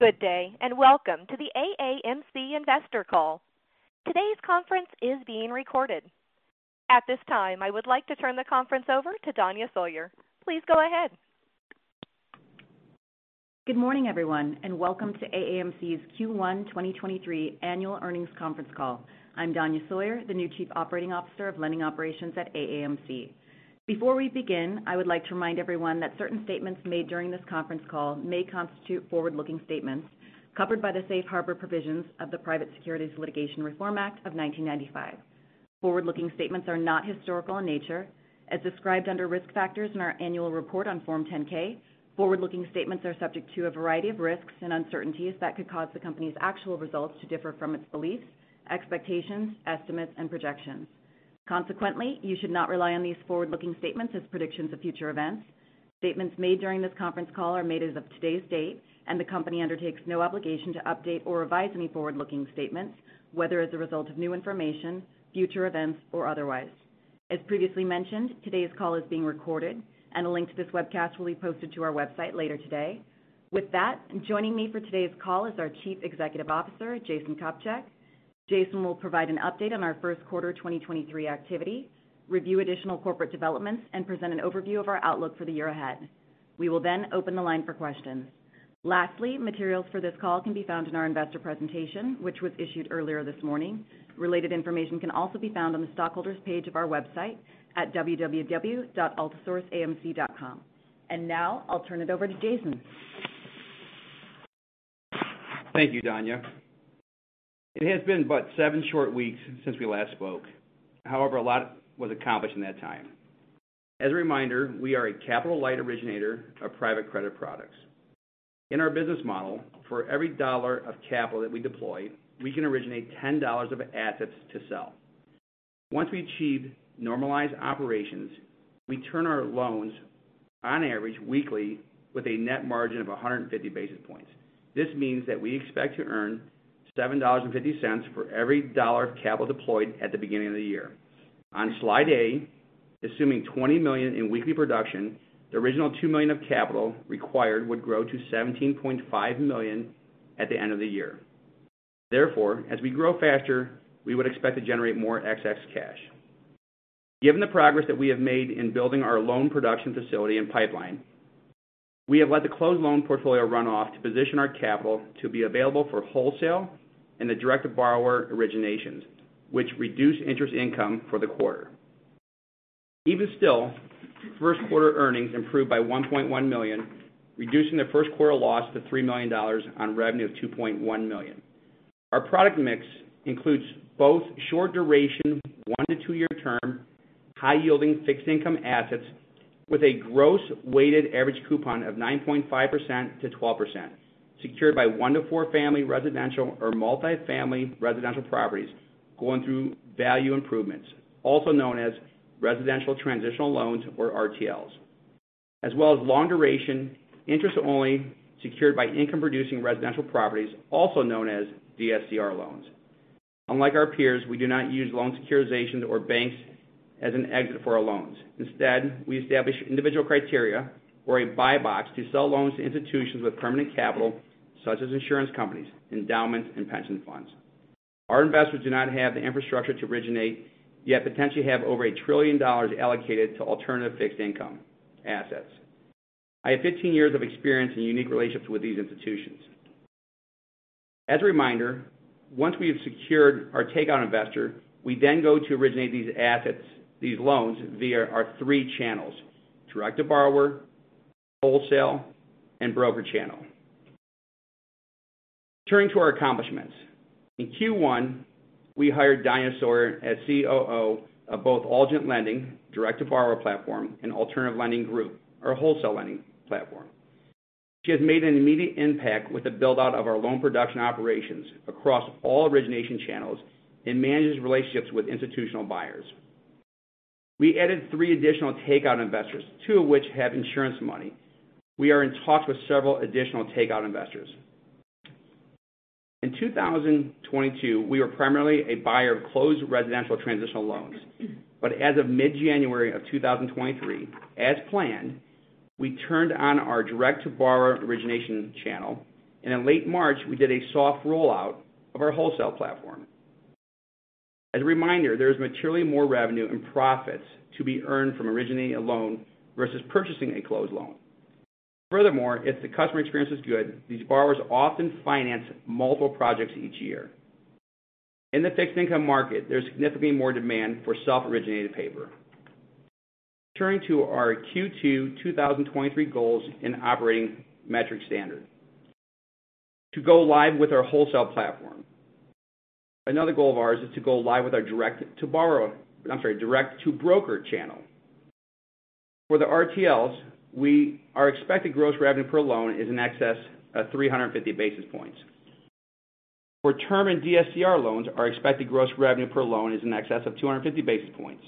Good day, and welcome to the AAMC investor call. Today's conference is being recorded. At this time, I would like to turn the conference over to Danya Sawyer. Please go ahead. Good morning, everyone, welcome to AAMC's Q1 2023 annual earnings conference call. I'm Danya Sawyer, the new Chief Operating Officer of Lending Operations at AAMC. Before we begin, I would like to remind everyone that certain statements made during this conference call may constitute forward-looking statements covered by the Safe Harbor Provisions of the Private Securities Litigation Reform Act of 1995. Forward-looking statements are not historical in nature as described under Risk Factors in our annual report on Form 10-K. Forward-looking statements are subject to a variety of risks and uncertainties that could cause the company's actual results to differ from its beliefs, expectations, estimates, and projections. Consequently, you should not rely on these forward-looking statements as predictions of future events. Statements made during this conference call are made as of today's date, and the company undertakes no obligation to update or revise any forward-looking statements, whether as a result of new information, future events, or otherwise. As previously mentioned, today's call is being recorded and a link to this webcast will be posted to our website later today. With that, joining me for today's call is our Chief Executive Officer, Jason Kopcak. Jason will provide an update on our first quarter 2023 activity, review additional corporate developments, and present an overview of our outlook for the year ahead. We will then open the line for questions. Lastly, materials for this call can be found in our investor presentation, which was issued earlier this morning. Related information can also be found on the stockholders page of our website at www.altisourceamc.com. Now, I'll turn it over to Jason. Thank you, Danya. It has been but seven short weeks since we last spoke. A lot was accomplished in that time. As a reminder, we are a capital-light originator of private credit products. In our business model, for every dollar of capital that we deploy, we can originate $10 of assets to sell. Once we achieve normalized operations, we turn our loans on average weekly with a net margin of 150 basis points. This means that we expect to earn $7.50 for every dollar of capital deployed at the beginning of the year. On slide A, assuming $20 million in weekly production, the original $2 million of capital required would grow to $17.5 million at the end of the year. As we grow faster, we would expect to generate more excess cash. Given the progress that we have made in building our loan production facility and pipeline, we have let the closed loan portfolio run off to position our capital to be available for wholesale and the direct to borrower originations, which reduce interest income for the quarter. Even still, first quarter earnings improved by $1.1 million, reducing their first quarter loss to $3 million on revenue of $2.1 million. Our product mix includes both short duration, 1-year term to 2-year term, high yielding fixed income assets with a gross weighted average coupon of 9.5%-12%, secured by 1-4 family residential or multi-family residential properties going through value improvements, also known as residential transitional loans or RTLs. As well as long duration, interest only secured by income producing residential properties, also known as DSCR loans. Unlike our peers, we do not use loan securitization or banks as an exit for our loans. We establish individual criteria or a buy box to sell loans to institutions with permanent capital such as insurance companies, endowments, and pension funds. Our investors do not have the infrastructure to originate, yet potentially have over $1 trillion allocated to alternative fixed income assets. I have 15 years of experience in unique relationships with these institutions. As a reminder, once we have secured our takeout investor, we go to originate these loans via our 3 channels, direct to borrower, wholesale, and broker channel. Turning to our accomplishments. In Q1, we hired Danya Sawyer as COO of both Allegiant Lending, direct to borrower platform, and Alternative Lending Group, our wholesale lending platform. She has made an immediate impact with the build-out of our loan production operations across all origination channels and manages relationships with institutional buyers. We added three additional takeout investors, two of which have insurance money. We are in talks with several additional takeout investors. In 2022, we were primarily a buyer of closed residential transitional loans. As of mid-January of 2023, as planned, we turned on our direct to borrower origination channel, and in late March, we did a soft rollout of our wholesale platform. As a reminder, there is materially more revenue and profits to be earned from originating a loan versus purchasing a closed loan. Furthermore, if the customer experience is good, these borrowers often finance multiple projects each year. In the fixed income market, there's significantly more demand for self-originated paper. Turning to our Q2 2023 goals in operating metric standard. To go live with our wholesale platform. Another goal of ours is to go live with our direct to broker channel. For the RTLs, our expected gross revenue per loan is in excess of 350 basis points. For term and DSCR loans, our expected gross revenue per loan is in excess of 250 basis points.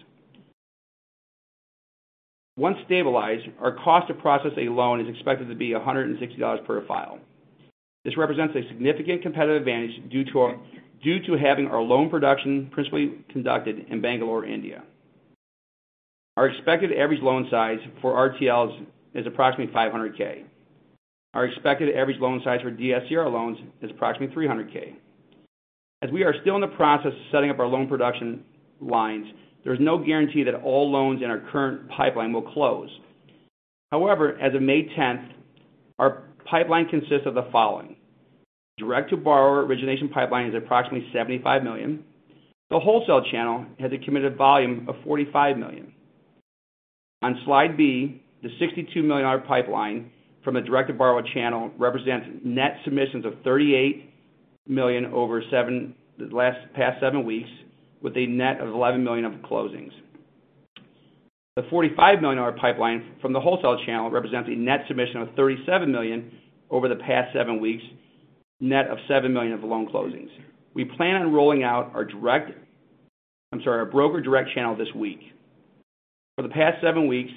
Once stabilized, our cost to process a loan is expected to be $160 per file. This represents a significant competitive advantage due to having our loan production principally conducted in Bangalore, India. Our expected average loan size for RTLs is approximately $500K. Our expected average loan size for DSCR loans is approximately $300K. As we are still in the process of setting up our loan production lines, there's no guarantee that all loans in our current pipeline will close. However, as of May 10th, our pipeline consists of the following. Direct to borrower origination pipeline is approximately $75 million. The wholesale channel has a committed volume of $45 million. On slide B, the $62 million pipeline from a direct to borrower channel represents net submissions of $38 million over past seven weeks, with a net of $11 million of closings. The $45 million pipeline from the wholesale channel represents a net submission of $37 million over the past seven weeks, net of $7 million of loan closings. We plan on rolling out our direct, I'm sorry, our broker direct channel this week. For the past 7 weeks,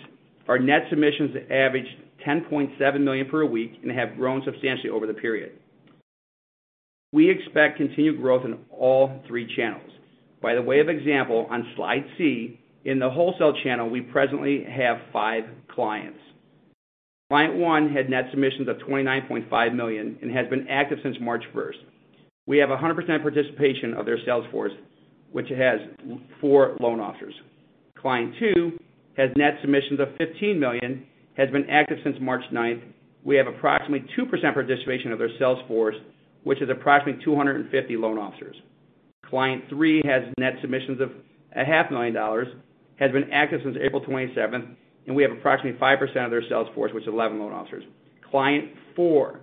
our net submissions averaged $10.7 million per week and have grown substantially over the period. We expect continued growth in all three channels. By the way of example, on slide C, in the wholesale channel, we presently have 5 clients. Client one had net submissions of $29.5 million and has been active since March 1st. We have 100% participation of their sales force, which has 4 loan officers. Client two has net submissions of $15 million, has been active since March 9th. We have approximately 2% participation of their sales force, which is approximately 250 loan officers. Client three has net submissions of $0.5 million, has been active since April 27th, and we have approximately 5% of their sales force, which is 11 loan officers. Client four,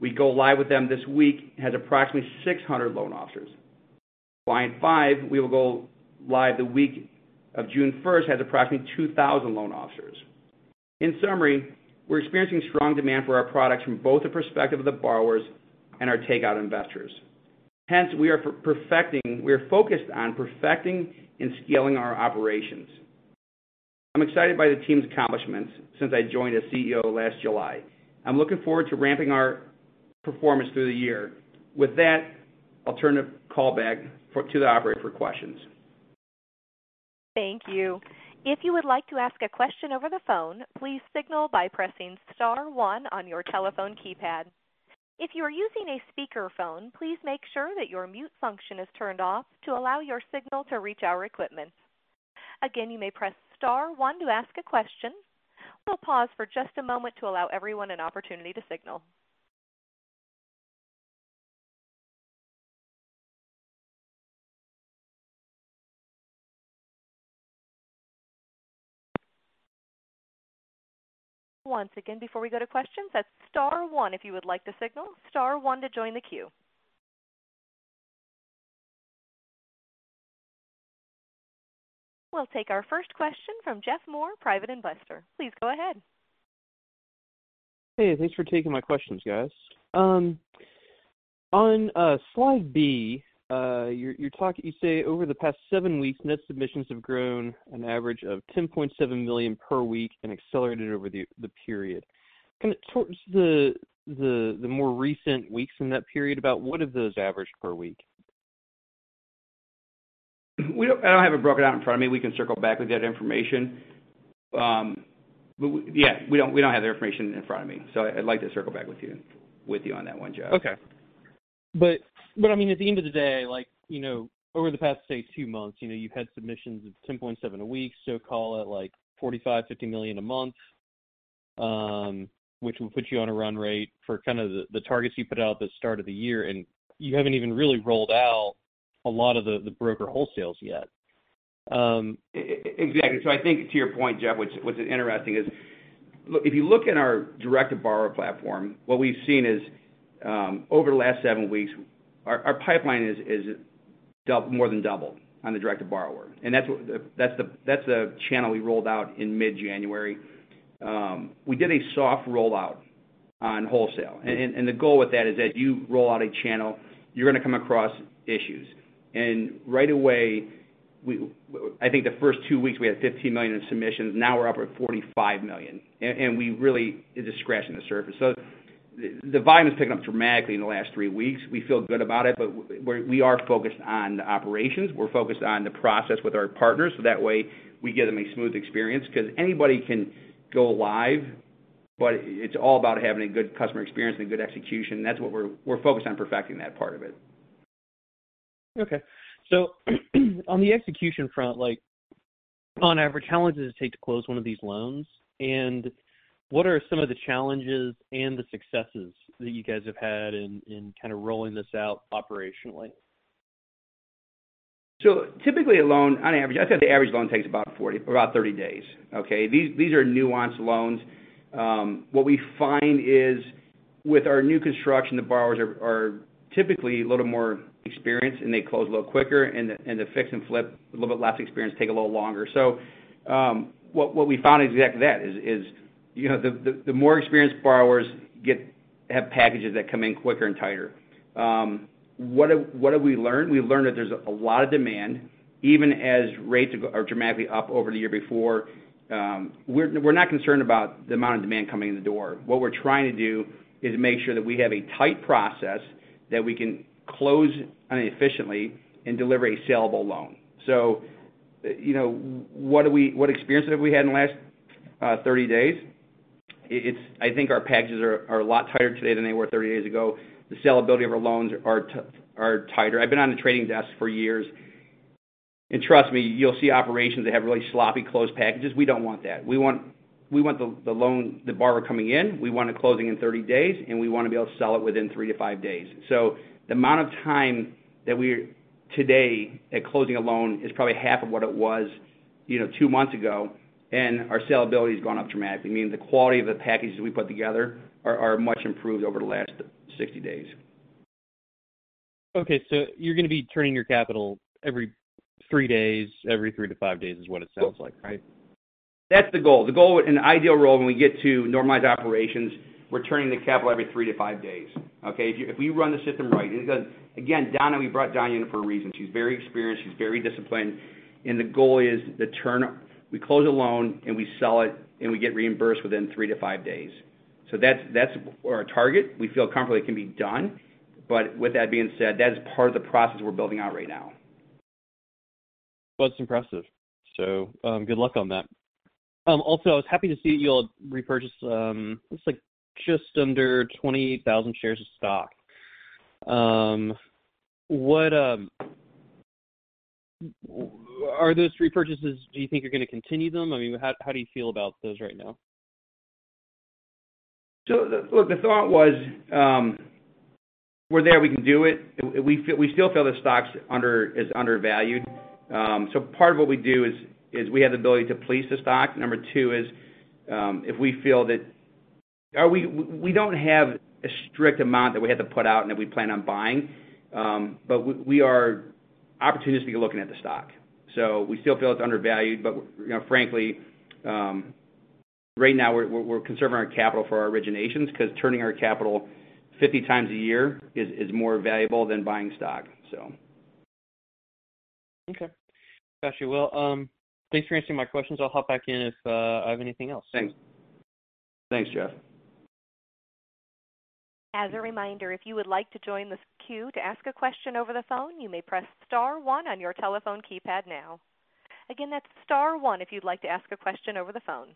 we go live with them this week, has approximately 600 loan officers. Client five, we will go live the week of June 1st, has approximately 2,000 loan officers. In summary, we're experiencing strong demand for our products from both the perspective of the borrowers and our takeout investors. Hence, we are focused on perfecting and scaling our operations. I'm excited by the team's accomplishments since I joined as CEO last July. I'm looking forward to ramping our performance through the year. With that, I'll turn the call back to the operator for questions. Thank you. If you would like to ask a question over the phone, please signal by pressing star one on your telephone keypad. If you are using a speakerphone, please make sure that your mute function is turned off to allow your signal to reach our equipment. Again, you may press star one to ask a question. We'll pause for just a moment to allow everyone an opportunity to signal. Once again, before we go to questions, that's star one if you would like to signal, star one to join the queue. We'll take our first question from Jeff Moore, Private Investor. Please go ahead. Hey, thanks for taking my questions, guys. On slide B, you say over the past seven weeks, net submissions have grown an average of $10.7 million per week and accelerated over the period. Can it towards the more recent weeks in that period, about what have those averaged per week? I don't have it broken out in front of me. We can circle back with that information. yeah, we don't have the information in front of me, so I'd like to circle back with you on that one, Jeff. Okay. I mean, at the end of the day, like, you know, over the past, say, 2 months, you know, you've had submissions of 10.7 a week, so call it like $45 million-$50 million a month, which will put you on a run rate for kind of the targets you put out at the start of the year, and you haven't even really rolled out a lot of the broker wholesales yet. Exactly. I think to your point, Jeff, what's interesting is if you look in our direct to borrower platform, what we've seen is over the last seven weeks, our pipeline is more than doubled on the direct to borrower. That's the channel we rolled out in mid-January. We did a soft rollout on wholesale. The goal with that is that you roll out a channel, you're gonna come across issues. Right away, I think the first two weeks we had $15 million in submissions. Now we're up at $45 million. We really are just scratching the surface. The volume is picking up dramatically in the last three weeks. We feel good about it, but we are focused on the operations. We're focused on the process with our partners, that way we give them a smooth experience. Anybody can go live, it's all about having a good customer experience and a good execution. That's what we're focused on perfecting that part of it. Okay. On the execution front, like on average, how long does it take to close one of these loans? What are some of the challenges and the successes that you guys have had in kind of rolling this out operationally? Typically a loan, on average, I'd say the average loan takes about 30 days, okay. These are nuanced loans. What we find is with our new construction, the borrowers are typically a little more experienced and they close a little quicker and the fix and flip, a little bit less experienced, take a little longer. What we found is exactly that is, you know, the more experienced borrowers have packages that come in quicker and tighter. What have we learned? We learned that there's a lot of demand, even as rates are dramatically up over the year before. We're not concerned about the amount of demand coming in the door. What we're trying to do is make sure that we have a tight process that we can close on it efficiently and deliver a sellable loan. You know, what experience have we had in the last 30 days? It's, I think our packages are a lot tighter today than they were 30 days ago. The sellability of our loans are tighter. I've been on the trading desk for years, and trust me, you'll see operations that have really sloppy closed packages. We don't want that. We want the loan, the borrower coming in, we want it closing in 30 days, and we wanna be able to sell it within 3-5 days. The amount of time that we're—today at closing a loan is probably half of what it was, you know, two months ago, and our sellability has gone up dramatically, meaning the quality of the packages we put together are much improved over the last 60 days. Okay. You're gonna be turning your capital every 3 days, every 3 days-5 days is what it sounds like, right? That's the goal. The goal in the ideal role when we get to normalized operations, we're turning the capital every 3 days-5 days, okay? If we run the system right, it does—Again, Danya Sawyer, we brought Danya Sawyer in for a reason. She's very experienced, she's very disciplined, and the goal is the turn. We close a loan, and we sell it, and we get reimbursed within 3 days-5 days. That's our target. We feel comfortable it can be done. With that being said, that is part of the process we're building out right now. Well, it's impressive. Good luck on that. Also, I was happy to see you all repurchase, it's like just under 28,000 shares of stock. What? Are those repurchases, do you think you're gonna continue them? I mean, how do you feel about those right now? Look, the thought was, we're there, we can do it. We still feel the stock's undervalued. Part of what we do is we have the ability to police the stock. Number two is, if we feel that we don't have a strict amount that we have to put out and that we plan on buying, but we are opportunistically looking at the stock, so we still feel it's undervalued. You know, frankly, right now we're conserving our capital for our originations 'cause turning our capital 50 times a year is more valuable than buying stock. Okay. Got you. Well, thanks for answering my questions. I'll hop back in if I have anything else. Thanks. Thanks, Jeff. As a reminder, if you would like to join this queue to ask a question over the phone, you may press star one on your telephone keypad now. Again, that's star one if you'd like to ask a question over the phone.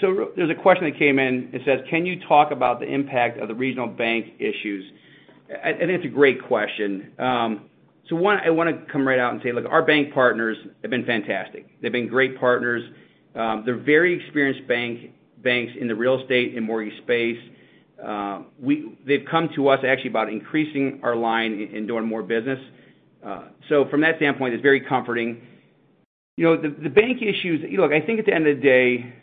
There's a question that came in. It says, "Can you talk about the impact of the regional bank issues?" I think it's a great question. One, I wanna come right out and say, look, our bank partners have been fantastic. They've been great partners. They're very experienced banks in the real estate and mortgage space. They've come to us actually about increasing our line and doing more business. From that standpoint, it's very comforting. You know, the bank issues—I think at the end of the day,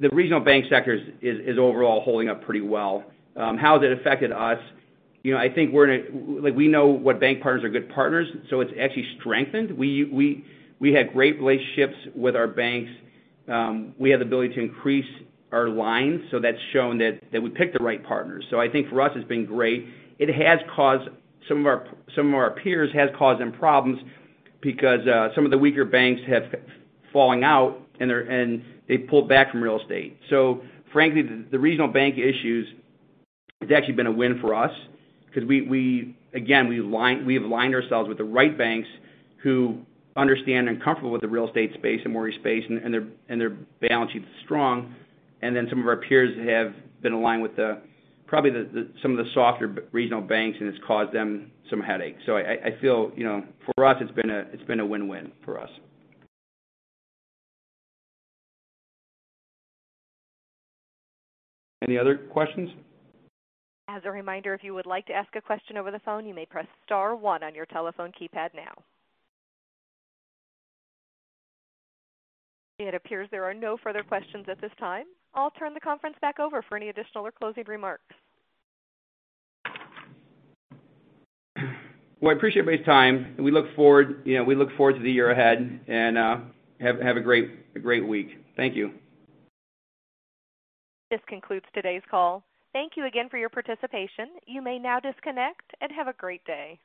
the regional bank sector is overall holding up pretty well. How has it affected us? You know, I think we're in a—Like we know what bank partners are good partners, so it's actually strengthened. We had great relationships with our banks. We have the ability to increase our lines, so that's shown that we picked the right partners. I think for us, it's been great. It has caused some of our peers, has caused them problems because some of the weaker banks have been falling out and they pulled back from real estate. Frankly, the regional bank issues, it's actually been a win for us because we again, we have aligned ourselves with the right banks who understand and comfortable with the real estate space and mortgage space and their balance sheet is strong. Then some of our peers have been aligned with probably some of the softer regional banks, and it's caused them some headaches. I feel, you know, for us, it's been a win-win for us. Any other questions? As a reminder, if you would like to ask a question over the phone, you may press star one on your telephone keypad now. It appears there are no further questions at this time. I'll turn the conference back over for any additional or closing remarks. Well, I appreciate everybody's time, and we look forward, you know, we look forward to the year ahead and have a great week. Thank you. This concludes today's call. Thank you again for your participation. You may now disconnect and have a great day.